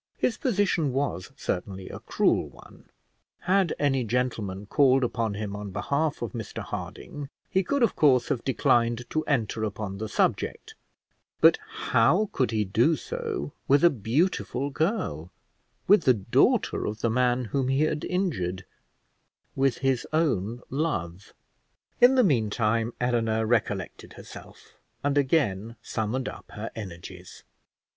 His position was certainly a cruel one: had any gentleman called upon him on behalf of Mr Harding he could of course have declined to enter upon the subject; but how could he do so with a beautiful girl, with the daughter of the man whom he had injured, with his own love? In the meantime Eleanor recollected herself, and again summoned up her energies.